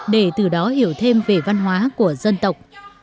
để từ đó hiểu thêm về văn hóa của dân tộc